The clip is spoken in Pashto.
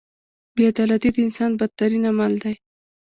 • بې عدالتي د انسان بدترین عمل دی.